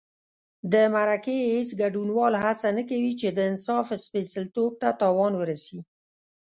د مرکې هېڅ ګډونوال هڅه نه کوي چې د انصاف سپېڅلتوب ته تاوان ورسي.